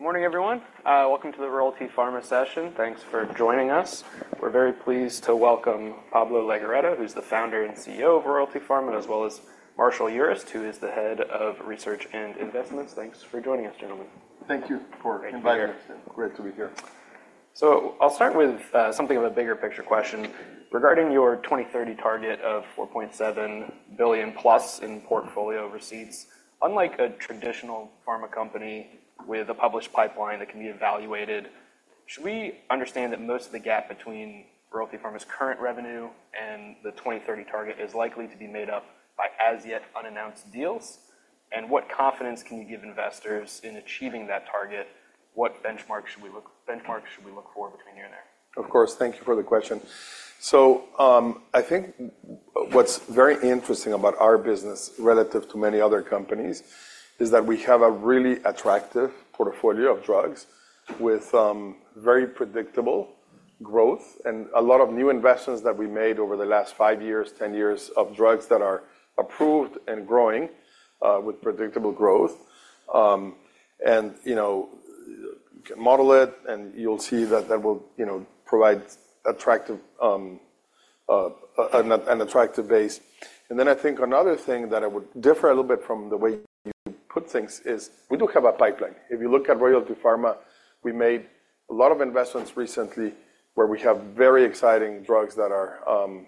Good morning, everyone. Welcome to the Royalty Pharma session. Thanks for joining us. We're very pleased to welcome Pablo Legorreta, who's the founder and CEO of Royalty Pharma, as well as Marshall Urist, who is the head of research and investments. Thanks for joining us, gentlemen. Thank you for inviting us. Great to be here. I'll start with something of a bigger picture question. Regarding your 2030 target of $4.7 billion+ in portfolio receipts, unlike a traditional pharma company with a published pipeline that can be evaluated, should we understand that most of the gap between Royalty Pharma's current revenue and the 2030 target is likely to be made up by as-yet unannounced deals? And what confidence can you give investors in achieving that target? What benchmarks should we look for between here and there? Of course. Thank you for the question. So I think what's very interesting about our business relative to many other companies is that we have a really attractive portfolio of drugs with very predictable growth and a lot of new investments that we made over the last five years, 10 years of drugs that are approved and growing with predictable growth. And you can model it, and you'll see that that will provide an attractive base. And then I think another thing that would differ a little bit from the way you put things is we do have a pipeline. If you look at Royalty Pharma, we made a lot of investments recently where we have very exciting drugs that are going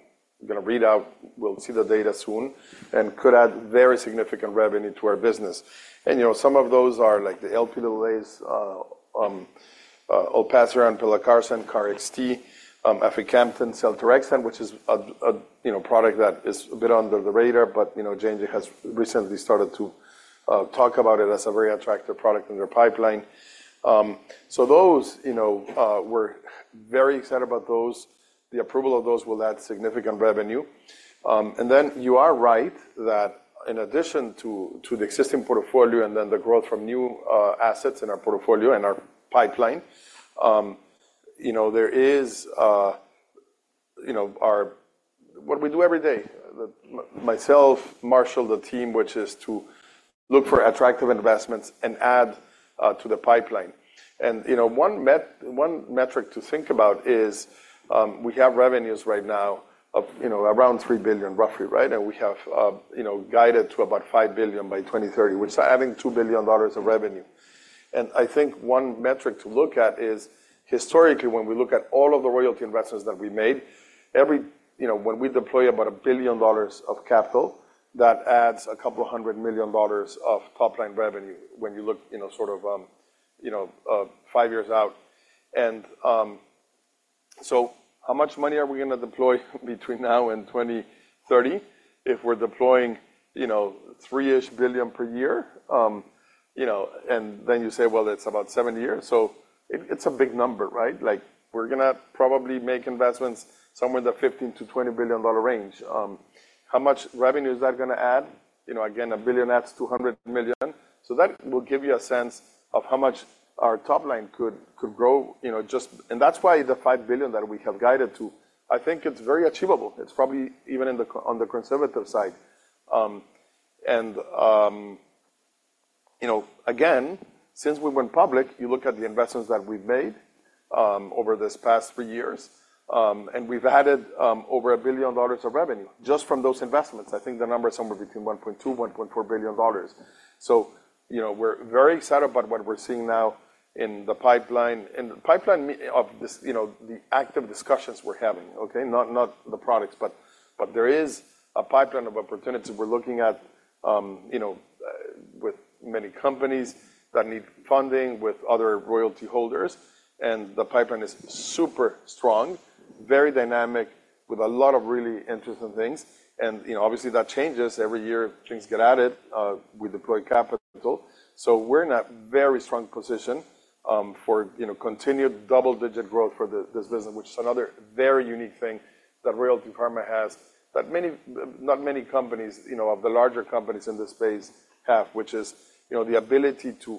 to read out. We'll see the data soon and could add very significant revenue to our business. And some of those are the Lp(a)s, Olpasiran, Pelacarsen, KarXT, Aficamten, Seltorexant, which is a product that is a bit under the radar. But J&J has recently started to talk about it as a very attractive product in their pipeline. So we're very excited about those. The approval of those will add significant revenue. And then you are right that in addition to the existing portfolio and then the growth from new assets in our portfolio and our pipeline, there is what we do every day, myself, Marshall, the team, which is to look for attractive investments and add to the pipeline. And one metric to think about is we have revenues right now of around $3 billion, roughly, right? And we have guided to about $5 billion by 2030, which is adding $2 billion of revenue. And I think one metric to look at is, historically, when we look at all of the royalty investments that we made, when we deploy about $1 billion of capital, that adds a couple of hundred million dollars of top-line revenue when you look sort of five years out. And so how much money are we going to deploy between now and 2030 if we're deploying three-ish billion per year? And then you say, well, it's about seven years. So it's a big number, right? We're going to probably make investments somewhere in the $15 billion-$20 billion range. How much revenue is that going to add? Again, $1 billion adds $200 million. So that will give you a sense of how much our top-line could grow. And that's why the $5 billion that we have guided to, I think it's very achievable. It's probably even on the conservative side. And again, since we went public, you look at the investments that we've made over this past three years, and we've added over $1 billion of revenue just from those investments. I think the number is somewhere between $1.2 billion-$1.4 billion. So we're very excited about what we're seeing now in the pipeline and the pipeline of the active discussions we're having, okay? Not the products, but there is a pipeline of opportunities we're looking at with many companies that need funding with other royalty holders. And the pipeline is super strong, very dynamic, with a lot of really interesting things. And obviously, that changes. Every year, things get added. We deploy capital. So we're in a very strong position for continued double-digit growth for this business, which is another very unique thing that Royalty Pharma has that not many companies of the larger companies in this space have, which is the ability to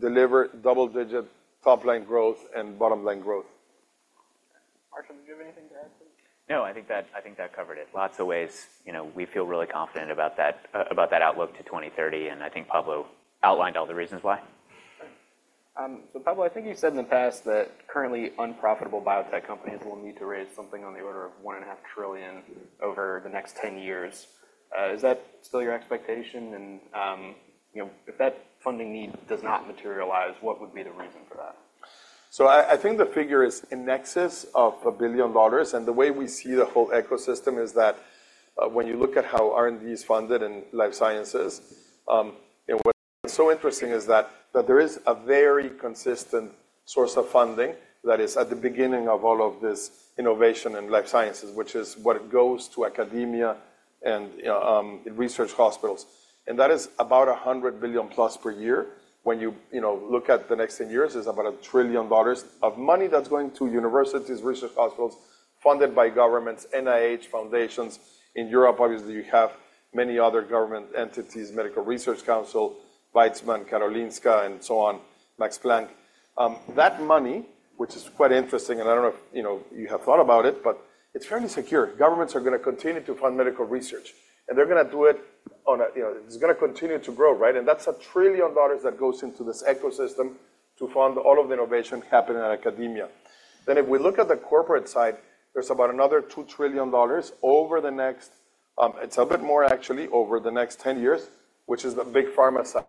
deliver double-digit top-line growth and bottom-line growth. Marshall, did you have anything to add, please? No, I think that covered it. Lots of ways we feel really confident about that outlook to 2030. I think Pablo outlined all the reasons why. So Pablo, I think you said in the past that currently unprofitable biotech companies will need to raise something on the order of $1.5 trillion over the next 10 years. Is that still your expectation? And if that funding need does not materialize, what would be the reason for that? I think the figure is a in excess of $1 billion. The way we see the whole ecosystem is that when you look at how R&D is funded in life sciences, what's so interesting is that there is a very consistent source of funding that is at the beginning of all of this innovation in life sciences, which is what goes to academia and research hospitals. That is about $100 billion+ per year. When you look at the next 10 years, it's about $1 trillion of money that's going to universities, research hospitals, funded by governments, NIH, foundations. In Europe, obviously, you have many other government entities: Medical Research Council, Weizmann, Karolinska, and so on, Max Planck. That money, which is quite interesting and I don't know if you have thought about it, but it's fairly secure. Governments are going to continue to fund medical research. They're going to do it on a, it's going to continue to grow, right? That's $1 trillion that goes into this ecosystem to fund all of the innovation happening in academia. Then if we look at the corporate side, there's about another $2 trillion over the next, it's a bit more, actually, over the next 10 years, which is the big pharma side.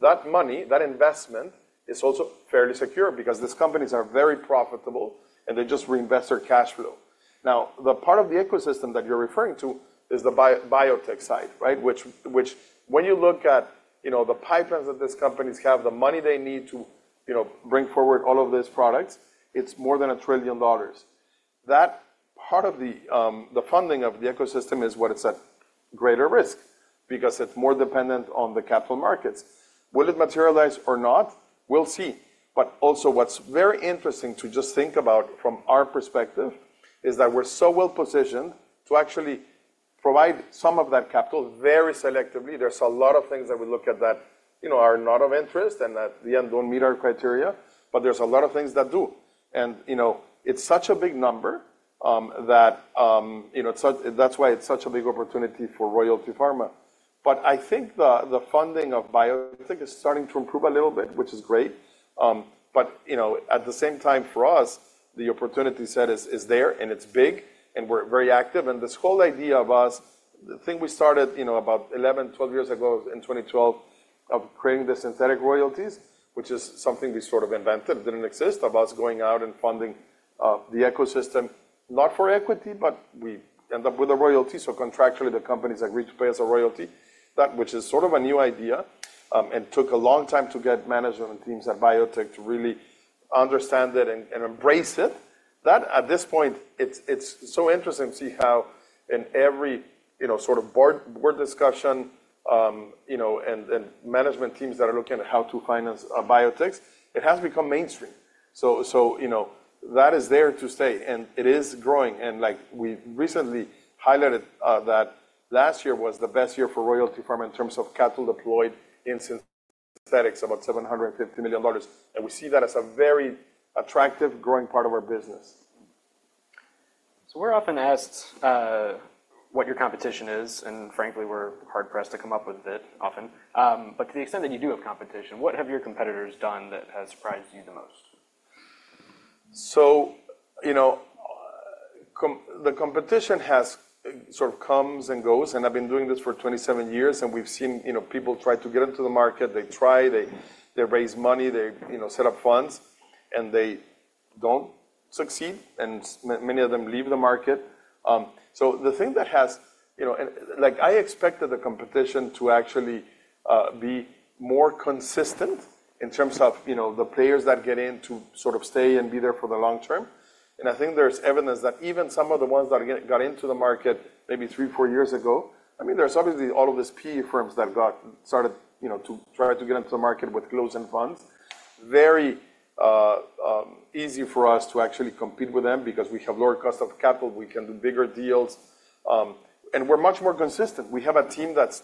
That money, that investment, is also fairly secure because these companies are very profitable, and they just reinvest their cash flow. Now, the part of the ecosystem that you're referring to is the biotech side, right? Which when you look at the pipelines that these companies have, the money they need to bring forward all of these products, it's more than $1 trillion. That part of the funding of the ecosystem is what is at greater risk because it's more dependent on the capital markets. Will it materialize or not? We'll see. But also, what's very interesting to just think about from our perspective is that we're so well positioned to actually provide some of that capital very selectively. There's a lot of things that we look at that are not of interest and at the end don't meet our criteria. But there's a lot of things that do. And it's such a big number that that's why it's such a big opportunity for Royalty Pharma. But I think the funding of biotech is starting to improve a little bit, which is great. But at the same time, for us, the opportunity set is there, and it's big, and we're very active. And this whole idea of us the thing we started about 11, 12 years ago in 2012 of creating the synthetic royalties, which is something we sort of invented, didn't exist, of us going out and funding the ecosystem, not for equity, but we end up with a royalty. So contractually, the companies agree to pay us a royalty, which is sort of a new idea and took a long time to get management teams at biotech to really understand it and embrace it. At this point, it's so interesting to see how in every sort of board discussion and management teams that are looking at how to finance biotechs, it has become mainstream. So that is there to stay. And it is growing. And we recently highlighted that last year was the best year for Royalty Pharma in terms of capital deployed in synthetics, about $750 million. We see that as a very attractive, growing part of our business. We're often asked what your competition is. Frankly, we're hard-pressed to come up with it often. To the extent that you do have competition, what have your competitors done that has surprised you the most? So the competition sort of comes and goes. I've been doing this for 27 years. We've seen people try to get into the market. They try. They raise money. They set up funds. They don't succeed. Many of them leave the market. So the thing that has I expected the competition to actually be more consistent in terms of the players that get in to sort of stay and be there for the long term. I think there's evidence that even some of the ones that got into the market maybe three, four years ago. I mean, there's obviously all of these PE firms that started to try to get into the market with closed-end funds. Very easy for us to actually compete with them because we have lower cost of capital. We can do bigger deals. We're much more consistent. We have a team that's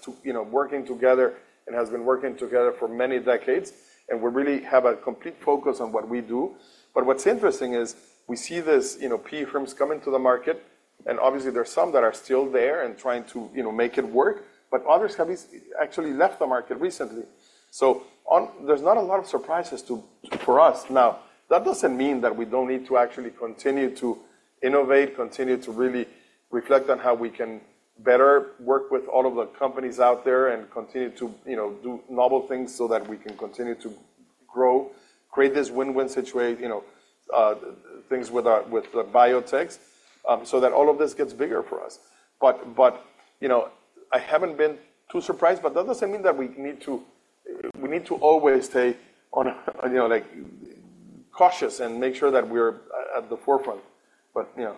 working together and has been working together for many decades. We really have a complete focus on what we do. What's interesting is we see these PE firms coming to the market. Obviously, there's some that are still there and trying to make it work. Others have actually left the market recently. There's not a lot of surprises for us now. That doesn't mean that we don't need to actually continue to innovate, continue to really reflect on how we can better work with all of the companies out there and continue to do novel things so that we can continue to grow, create this win-win situation, things with the biotechs so that all of this gets bigger for us. I haven't been too surprised. But that doesn't mean that we need to always stay cautious and make sure that we're at the forefront. But yeah.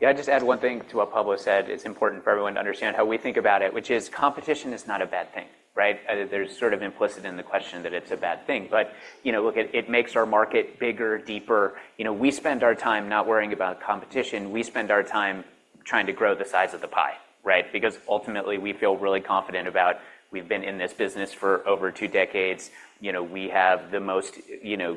Yeah, I'd just add one thing to what Pablo said. It's important for everyone to understand how we think about it, which is competition is not a bad thing, right? There's sort of implicit in the question that it's a bad thing. But look, it makes our market bigger, deeper. We spend our time not worrying about competition. We spend our time trying to grow the size of the pie, right? Because ultimately, we feel really confident about we've been in this business for over two decades. We have the most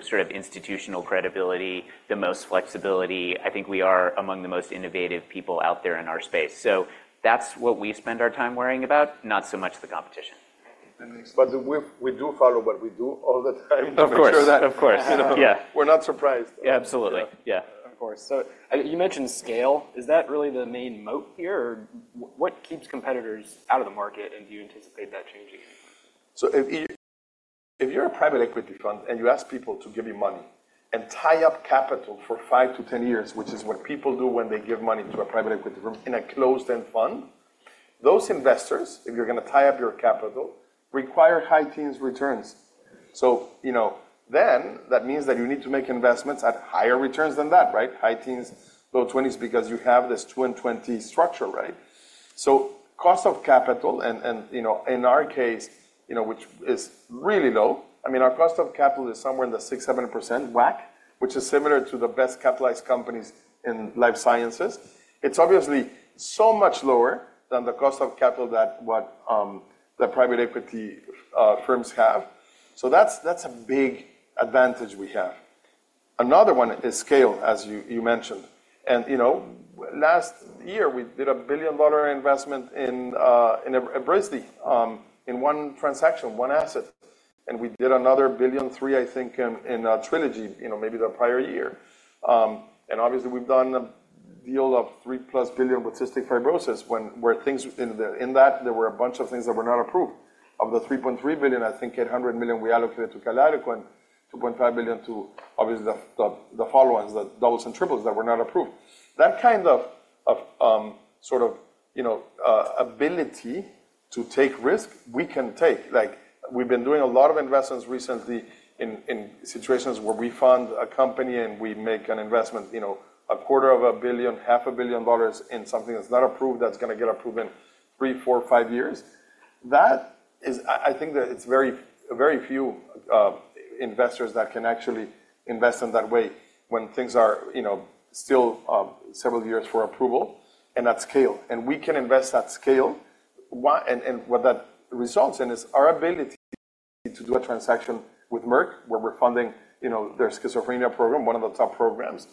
sort of institutional credibility, the most flexibility. I think we are among the most innovative people out there in our space. So that's what we spend our time worrying about, not so much the competition. That makes sense. But we do follow what we do all the time. Of course. To make sure that we're not surprised. Yeah, absolutely. Yeah. Of course. So you mentioned scale. Is that really the main moat here? Or what keeps competitors out of the market? And do you anticipate that changing? So if you're a private equity fund and you ask people to give you money and tie up capital for five to 10 years, which is what people do when they give money to a private equity firm in a closed-end fund, those investors, if you're going to tie up your capital, require high teens returns. So then that means that you need to make investments at higher returns than that, right? High teens, low 20s because you have this two and 20 structure, right? So cost of capital, and in our case, which is really low I mean, our cost of capital is somewhere in the 6%, 7% WACC, which is similar to the best capitalized companies in life sciences. It's obviously so much lower than the cost of capital that private equity firms have. So that's a big advantage we have. Another one is scale, as you mentioned. Last year, we did a $1 billion investment in a Bristol in one transaction, one asset. We did another $1.3 billion, I think, in a Trelegy, maybe the prior year. Obviously, we've done a deal of $3+ billion with cystic fibrosis where in that, there were a bunch of things that were not approved. Of the $3.3 billion, I think $800 million we allocated to Kalydeco and $2.5 billion to, obviously, the follow-ons, the doubles and triples that were not approved. That kind of sort of ability to take risk, we can take. We've been doing a lot of investments recently in situations where we fund a company, and we make an investment, $250 million, $500 million in something that's not approved that's going to get approved in three, four, five years. I think that it's very few investors that can actually invest in that way when things are still several years for approval. And that's scale. And we can invest at scale. And what that results in is our ability to do a transaction with Merck, where we're funding their schizophrenia program, one of the top programs,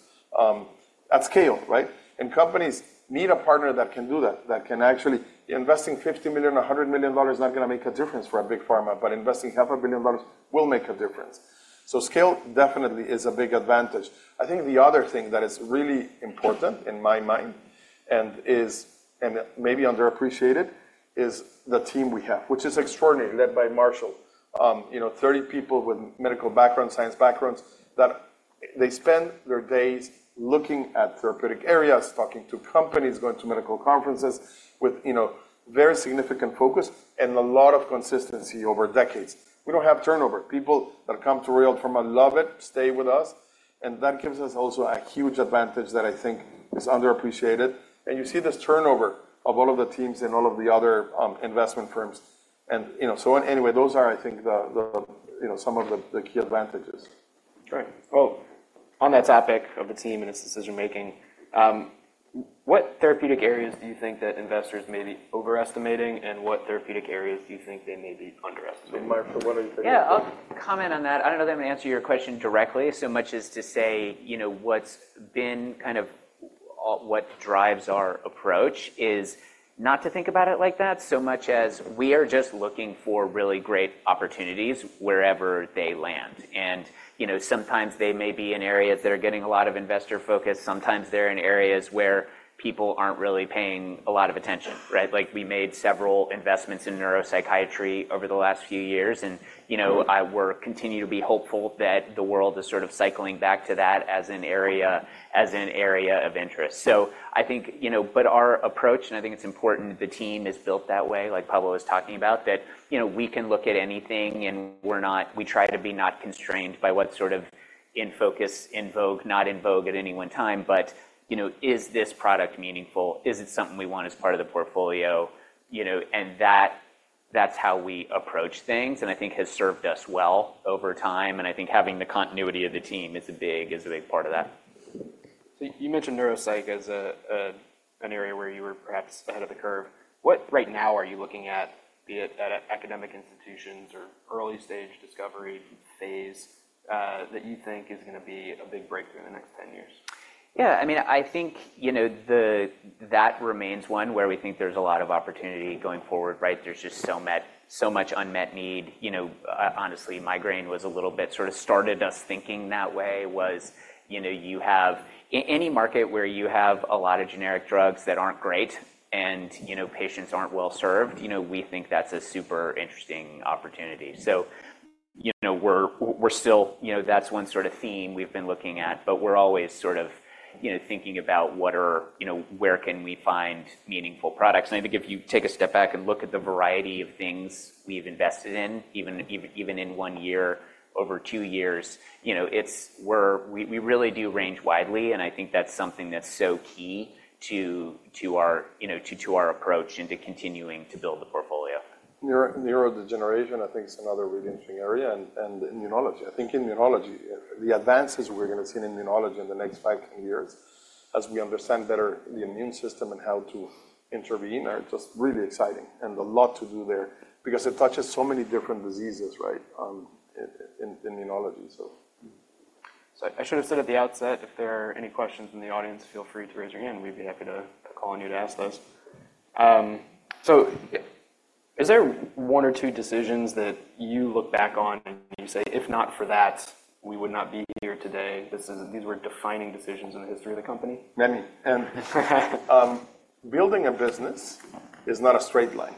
at scale, right? And companies need a partner that can do that, that can actually investing $50 million, $100 million is not going to make a difference for a big pharma. But investing $500 million will make a difference. So scale definitely is a big advantage. I think the other thing that is really important in my mind and maybe underappreciated is the team we have, which is extraordinary, led by Marshall, 30 people with medical backgrounds, science backgrounds. They spend their days looking at therapeutic areas, talking to companies, going to medical conferences with very significant focus and a lot of consistency over decades. We don't have turnover. People that come to Royalty Pharma love it, stay with us. That gives us also a huge advantage that I think is underappreciated. You see this turnover of all of the teams in all of the other investment firms. So anyway, those are, I think, some of the key advantages. Great. Well, on that topic of the team and its decision-making, what therapeutic areas do you think that investors may be overestimating? And what therapeutic areas do you think they may be underestimating? So Marshall, what are you thinking? Yeah, I'll comment on that. I don't know that I'm going to answer your question directly so much as to say what's been kind of what drives our approach is not to think about it like that so much as we are just looking for really great opportunities wherever they land. And sometimes, they may be in areas that are getting a lot of investor focus. Sometimes, they're in areas where people aren't really paying a lot of attention, right? We made several investments in neuropsychiatry over the last few years. And I continue to be hopeful that the world is sort of cycling back to that as an area of interest. But our approach and I think it's important the team is built that way, like Pablo was talking about, that we can look at anything. And we try to be not constrained by what's sort of in focus, in vogue, not in vogue at any one time. But is this product meaningful? Is it something we want as part of the portfolio? And that's how we approach things, and I think has served us well over time. And I think having the continuity of the team is a big part of that. So you mentioned neuropsych as an area where you were perhaps ahead of the curve. What right now are you looking at, be it at academic institutions or early-stage discovery phase, that you think is going to be a big breakthrough in the next 10 years? Yeah, I mean, I think that remains one where we think there's a lot of opportunity going forward, right? There's just so much unmet need. Honestly, migraine was a little bit sort of started us thinking that way was you have any market where you have a lot of generic drugs that aren't great and patients aren't well served, we think that's a super interesting opportunity. So we're still that's one sort of theme we've been looking at. But we're always sort of thinking about where can we find meaningful products? And I think if you take a step back and look at the variety of things we've invested in, even in one year, over two years, we really do range widely. And I think that's something that's so key to our approach and to continuing to build the portfolio. Neurodegeneration, I think, is another really interesting area. Immunology. I think immunology, the advances we're going to see in immunology in the next five to 10 years, as we understand better the immune system and how to intervene, are just really exciting and a lot to do there because it touches so many different diseases, right, in immunology, so. So I should have said at the outset, if there are any questions in the audience, feel free to raise your hand. We'd be happy to call on you to ask those. So is there one or two decisions that you look back on and you say, "If not for that, we would not be here today"? These were defining decisions in the history of the company? Many. Building a business is not a straight line.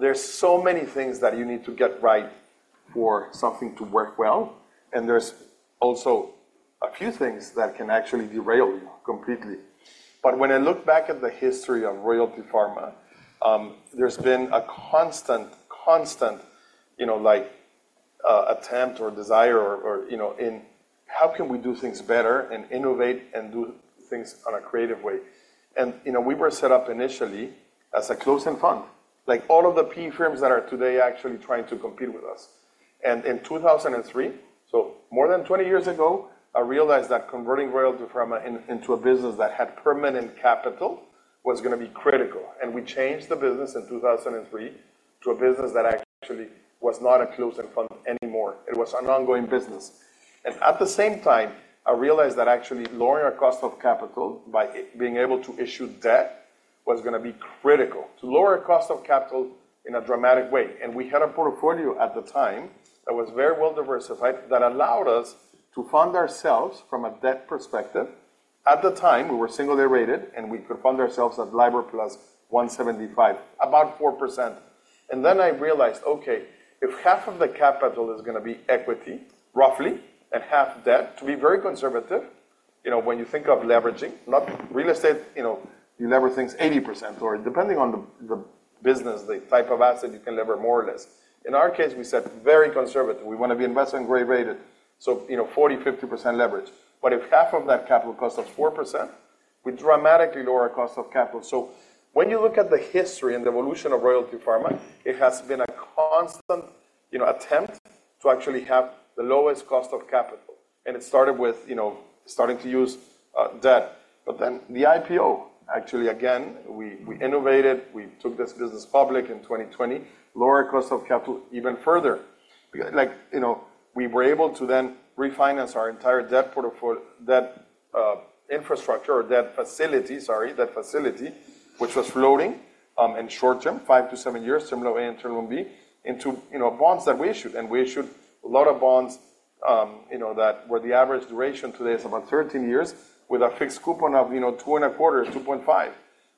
There's so many things that you need to get right for something to work well. There's also a few things that can actually derail you completely. But when I look back at the history of Royalty Pharma, there's been a constant, constant attempt or desire in, "How can we do things better and innovate and do things on a creative way?" We were set up initially as a closed-end fund, like all of the PE firms that are today actually trying to compete with us. In 2003, so more than 20 years ago, I realized that converting Royalty Pharma into a business that had permanent capital was going to be critical. We changed the business in 2003 to a business that actually was not a closed-end fund anymore. It was an ongoing business. At the same time, I realized that actually lowering our cost of capital by being able to issue debt was going to be critical to lower our cost of capital in a dramatic way. We had a portfolio at the time that was very well diversified that allowed us to fund ourselves from a debt perspective. At the time, we were single-A rated. We could fund ourselves at LIBOR plus 175, about 4%. Then I realized, "OK, if half of the capital is going to be equity, roughly, and half debt, to be very conservative, when you think of leveraging, not real estate, you leverage things 80% or depending on the business, the type of asset, you can leverage more or less." In our case, we said, "Very conservative. We want to be investment-grade rated, so 40%-50% leverage. But if half of that capital costs us 4%, we dramatically lower our cost of capital." So when you look at the history and the evolution of Royalty Pharma, it has been a constant attempt to actually have the lowest cost of capital. And it started with starting to use debt. But then the IPO, actually, again, we innovated. We took this business public in 2020, lowered our cost of capital even further. We were able to then refinance our entire debt infrastructure or debt facility, sorry, debt facility, which was floating in the short term, five to seven years, Tranche A and Tranche B, into bonds that we issued. And we issued a lot of bonds where the average duration today is about 13 years with a fixed coupon of 2.25, 2.5,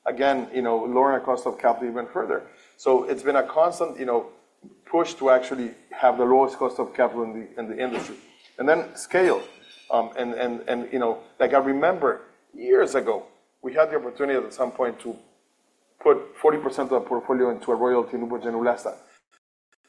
again, lowering our cost of capital even further. So it's been a constant push to actually have the lowest cost of capital in the industry. And then scale. And I remember years ago, we had the opportunity at some point to put 40% of our portfolio into a royalty, Neupogen Neulasta.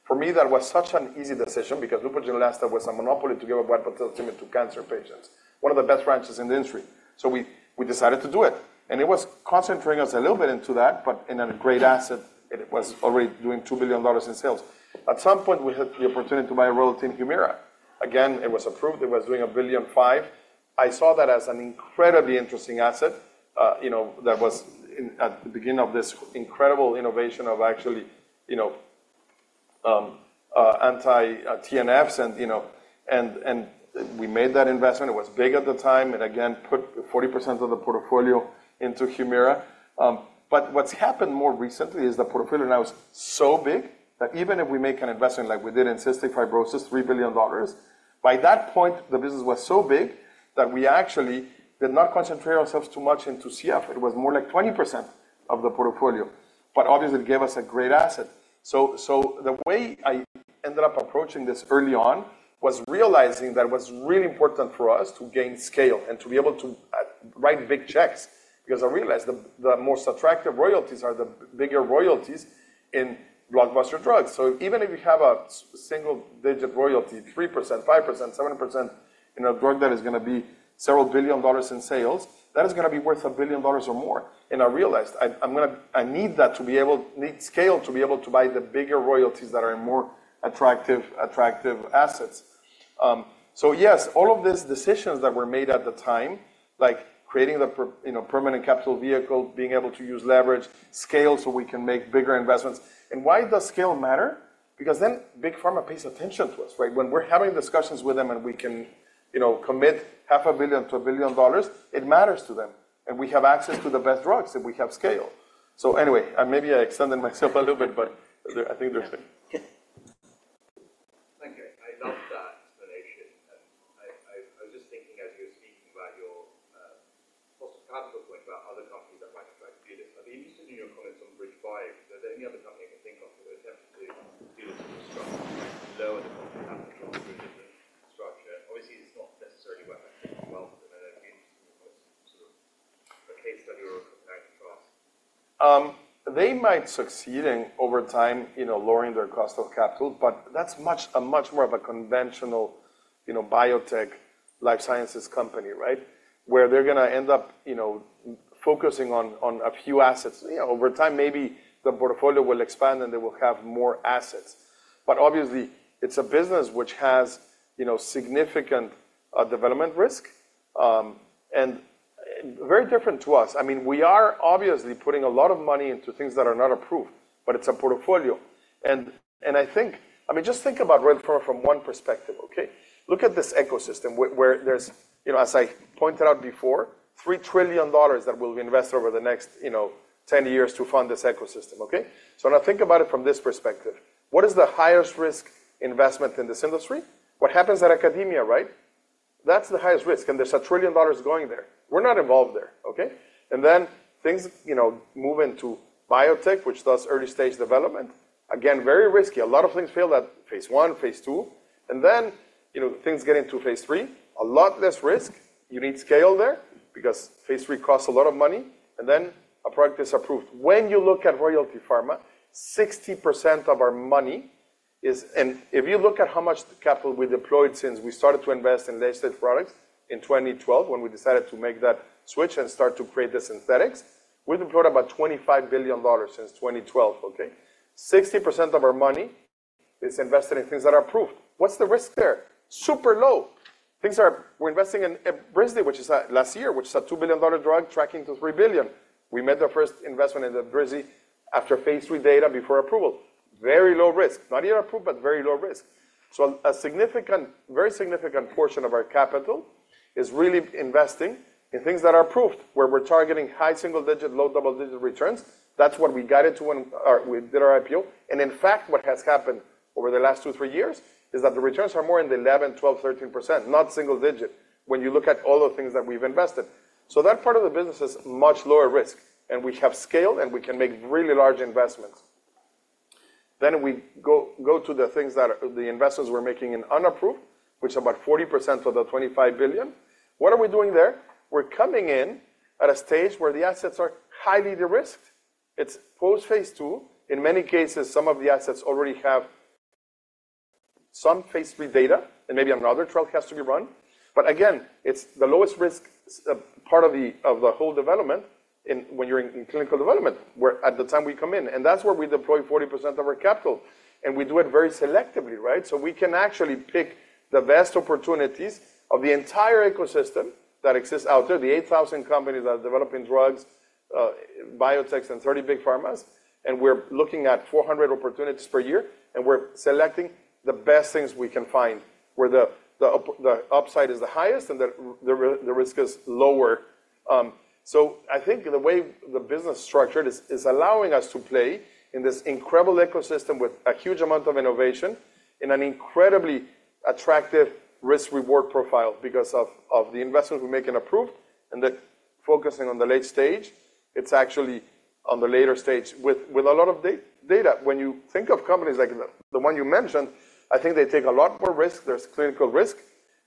For me, that was such an easy decision because Neupogen Neulasta was a monopoly to give a white blood cell tumor to cancer patients, one of the best franchises in the industry. So we decided to do it. And it was concentrating us a little bit into that. But in a great asset, it was already doing $2 billion in sales. At some point, we had the opportunity to buy a royalty, Humira. Again, it was approved. It was doing $1.5 billion. I saw that as an incredibly interesting asset that was at the beginning of this incredible innovation of actually anti-TNFs. And we made that investment. It was big at the time and, again, put 40% of the portfolio into Humira. But what's happened more recently is the portfolio now is so big that even if we make an investment like we did in cystic fibrosis, $3 billion, by that point, the business was so big that we actually did not concentrate ourselves too much into CF. It was more like 20% of the portfolio. But obviously, it gave us a great asset. So the way I ended up approaching this early on was realizing that it was really important for us to gain scale and to be able to write big checks because I realized the more subtractive royalties are the bigger royalties in blockbuster drugs. So even if you have a single-digit royalty, 3%, 5%, 7% in a drug that is going to be several billion dollars] in sales, that is going to be worth $1 billion or more. I realized I need that to be able to scale to be able to buy the bigger royalties that are in more attractive assets. Yes, all of these decisions that were made at the time, like creating the permanent capital vehicle, being able to use leverage, scale so we can make bigger investments. Why does scale matter? Because then big pharma pays attention to us, right? When we're having discussions with them and we can commit $500 million-$1 billion, it matters to them. We have access to the best drugs if we have scale. So anyway, maybe I extended myself a little bit. I think there's a thing. Thank you. I love that explanation. I was just thinking, as you were speaking about your possible capital point about other companies that might try to do this. I'd be interested in your comments on BridgeBio. Is there any other company I can think of that attempted to do this in a structure, lower the cost of capital through a different structure? Obviously, it's not necessarily what I'm thinking about. But I'd be interested in your comments, sort of a case study or a comparison to trust. They might succeed over time lowering their cost of capital. But that's much more of a conventional biotech, life sciences company, right, where they're going to end up focusing on a few assets. Over time, maybe the portfolio will expand, and they will have more assets. But obviously, it's a business which has significant development risk and very different to us. I mean, we are obviously putting a lot of money into things that are not approved. But it's a portfolio. And I mean, just think about Royalty Pharma from one perspective, OK? Look at this ecosystem where there's, as I pointed out before, $3 trillion that will be invested over the next 10 years to fund this ecosystem, OK? So now think about it from this perspective. What is the highest risk investment in this industry? What happens at academia, right? That's the highest risk. And there's $1 trillion going there. We're not involved there, OK? And then things move into biotech, which does early-stage development, again, very risky. A lot of things fail at phase I, phase II. And then things get into phase III, a lot less risk. You need scale there because phase III costs a lot of money. And then a product is approved. When you look at Royalty Pharma, 60% of our money is and if you look at how much capital we deployed since we started to invest in late-stage products in 2012, when we decided to make that switch and start to create the synthetics, we've deployed about $25 billion since 2012, OK? 60% of our money is invested in things that are approved. What's the risk there? Super low. We're investing in Evrysdi, which is last year, which is a $2 billion drug tracking to $3 billion. We made the first investment in Evrysdi after phase III data before approval. Very low risk, not even approved, but very low risk. So a very significant portion of our capital is really investing in things that are approved where we're targeting high single-digit, low double-digit returns. That's what we got into when we did our IPO. And in fact, what has happened over the last two, three years is that the returns are more in the 11%, 12%, 13%, not single-digit when you look at all the things that we've invested. So that part of the business is much lower risk. And we have scale. And we can make really large investments. Then we go to the things that the investments we're making in unapproved, which is about 40% of the $25 billion. What are we doing there? We're coming in at a stage where the assets are highly de-risked. It's post-phase II. In many cases, some of the assets already have some phase III data. And maybe another trial has to be run. But again, it's the lowest risk part of the whole development when you're in clinical development at the time we come in. And that's where we deploy 40% of our capital. And we do it very selectively, right? So we can actually pick the best opportunities of the entire ecosystem that exists out there, the 8,000 companies that are developing drugs, biotechs, and 30 big pharmas. And we're looking at 400 opportunities per year. And we're selecting the best things we can find where the upside is the highest and the risk is lower. So I think the way the business structure is allowing us to play in this incredible ecosystem with a huge amount of innovation in an incredibly attractive risk-reward profile because of the investments we make in approved and the focusing on the late stage. It's actually on the later stage with a lot of data. When you think of companies like the one you mentioned, I think they take a lot more risk. There's clinical risk.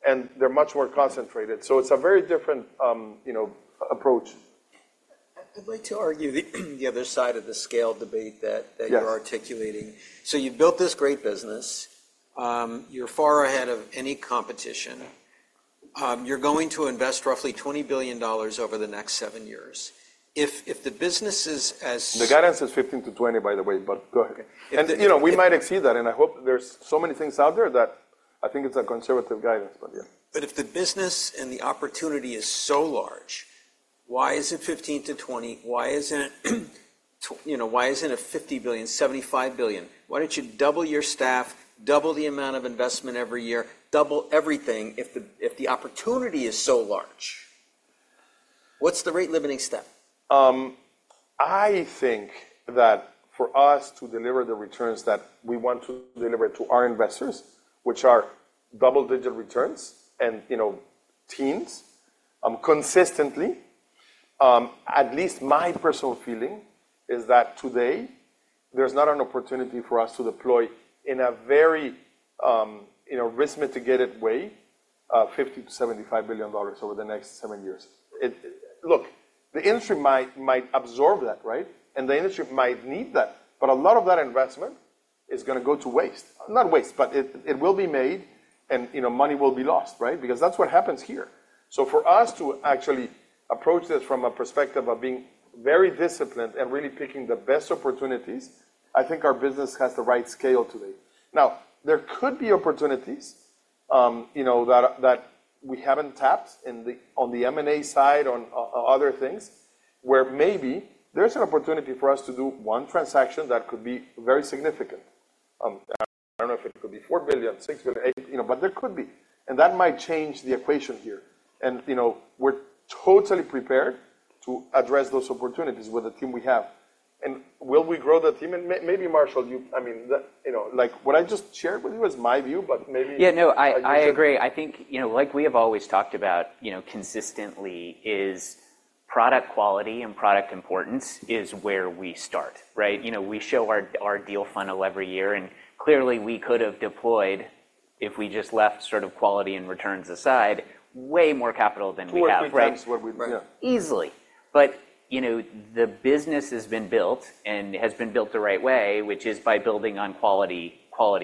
And they're much more concentrated. So it's a very different approach. I'd like to argue the other side of the scale debate that you're articulating. So you've built this great business. You're far ahead of any competition. You're going to invest roughly $20 billion over the next seven years. If the business is as. The guidance is 15%-20%, by the way. But go ahead. And we might exceed that. And I hope there's so many things out there that I think it's a conservative guidance, but yeah. But if the business and the opportunity is so large, why is it 15%-20%? Why isn't it $50 billion, $75 billion? Why don't you double your staff, double the amount of investment every year, double everything if the opportunity is so large? What's the rate limiting step? I think that for us to deliver the returns that we want to deliver to our investors, which are double-digit returns and teens consistently, at least my personal feeling is that today, there's not an opportunity for us to deploy in a very risk-mitigated way $50 billion-$75 billion over the next seven years. Look, the industry might absorb that, right? And the industry might need that. But a lot of that investment is going to go to waste, not waste, but it will be made. And money will be lost, right, because that's what happens here. So for us to actually approach this from a perspective of being very disciplined and really picking the best opportunities, I think our business has the right scale today. Now, there could be opportunities that we haven't tapped on the M&A side, on other things, where maybe there's an opportunity for us to do one transaction that could be very significant. I don't know if it could be $4 billion, $6 billion, $8 billion, but there could be. And that might change the equation here. And we're totally prepared to address those opportunities with the team we have. And will we grow the team? And maybe, Marshall, I mean, what I just shared with you is my view. But maybe. Yeah, no, I agree. I think, like we have always talked about consistently, product quality and product importance is where we start, right? We show our deal final every year. And clearly, we could have deployed, if we just left sort of quality and returns aside, way more capital than we have right now. 40% is what we'd make. Easily. But the business has been built and has been built the right way, which is by building on quality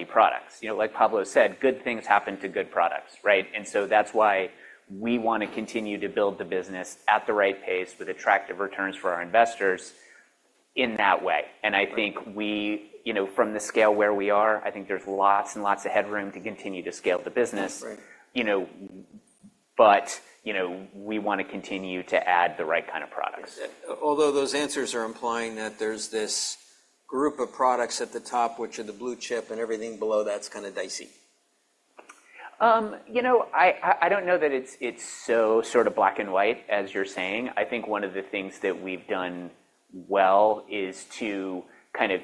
products. Like Pablo said, good things happen to good products, right? And so that's why we want to continue to build the business at the right pace with attractive returns for our investors in that way. And I think from the scale where we are, I think there's lots and lots of headroom to continue to scale the business. But we want to continue to add the right kind of products. Although those answers are implying that there's this group of products at the top, which are the blue chip and everything below, that's kind of dicey. You know, I don't know that it's so sort of black and white, as you're saying. I think one of the things that we've done well is to kind of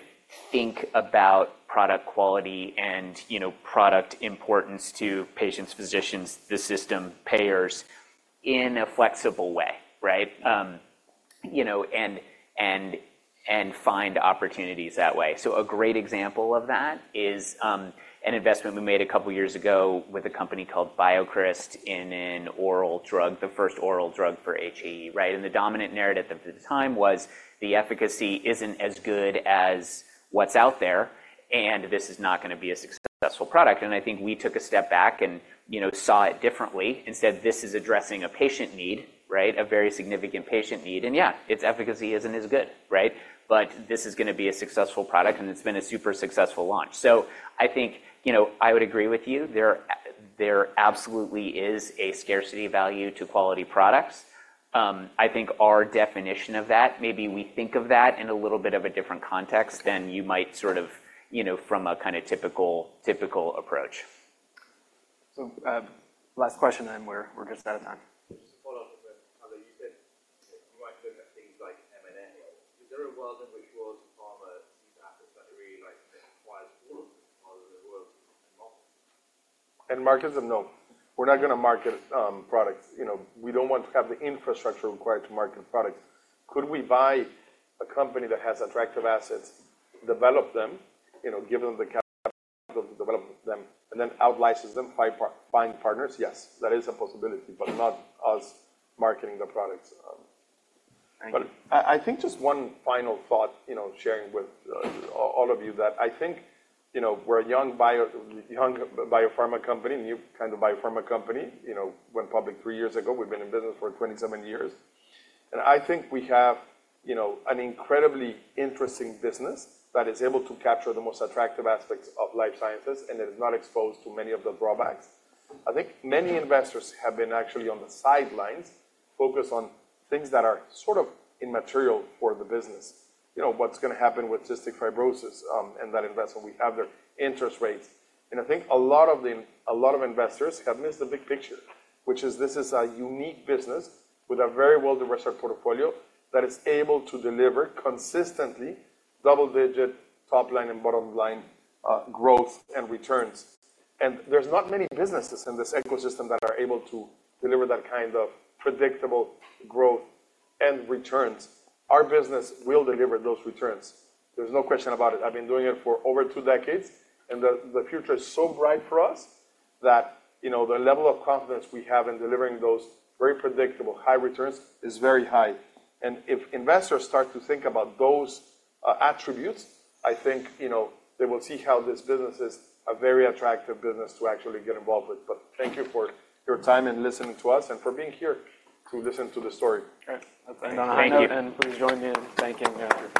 think about product quality and product importance to patients, physicians, the system, payers in a flexible way, right, and find opportunities that way. So a great example of that is an investment we made a couple of years ago with a company called BioCryst in an oral drug, the first oral drug for HAE, right? And the dominant narrative at the time was the efficacy isn't as good as what's out there. And this is not going to be a successful product. And I think we took a step back and saw it differently. Instead, this is addressing a patient need, right, a very significant patient need. And yeah, its efficacy isn't as good, right? This is going to be a successful product. It's been a super successful launch. I think I would agree with you. There absolutely is a scarcity value to quality products. I think our definition of that, maybe we think of that in a little bit of a different context than you might sort of from a kind of typical approach. Last question. We're just out of time. Just a follow-up. You said you might look at things like M&A. Is there a world in which pharma sees assets that it really acquires all of them rather than worlds and markets? Markets? No. We're not going to market products. We don't want to have the infrastructure required to market products. Could we buy a company that has attractive assets, develop them, give them the capital to develop them, and then outlicense them, find partners? Yes, that is a possibility. But not us marketing the products. But I think just one final thought sharing with all of you that I think we're a young biopharma company, new kind of biopharma company. Went public three years ago. We've been in business for 27 years. I think we have an incredibly interesting business that is able to capture the most attractive aspects of life sciences and is not exposed to many of the drawbacks. I think many investors have been actually on the sidelines, focused on things that are sort of immaterial for the business, what's going to happen with cystic fibrosis and that investment we have there, interest rates. I think a lot of investors have missed the big picture, which is this is a unique business with a very well-diversified portfolio that is able to deliver consistently double-digit top line and bottom line growth and returns. There's not many businesses in this ecosystem that are able to deliver that kind of predictable growth and returns. Our business will deliver those returns. There's no question about it. I've been doing it for over two decades. The future is so bright for us that the level of confidence we have in delivering those very predictable, high returns is very high. If investors start to think about those attributes, I think they will see how this business is a very attractive business to actually get involved with. Thank you for your time and listening to us and for being here to listen to the story. All right. Please join me in thanking Dr.